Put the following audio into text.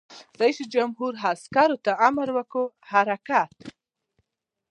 رئیس جمهور خپلو عسکرو ته امر وکړ؛ حرکت!